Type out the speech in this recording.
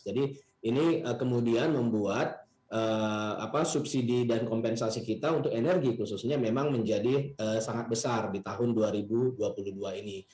jadi ini kemudian membuat subsidi dan kompensasi kita untuk energi khususnya memang menjadi sangat besar di tahun dua ribu dua puluh dua ini